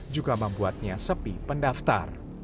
juga membuatnya sepi pendaftar